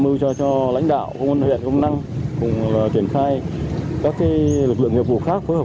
mưu cho lãnh đạo công an huyện crong nang cùng triển khai các lực lượng nhiệm vụ khác phối hợp